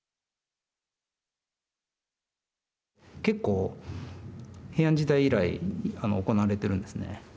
結構平安時代以来行われてるんですね。